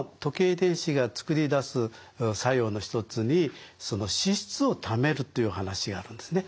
遺伝子が作り出す作用の一つにその脂質を貯めるという話があるんですね。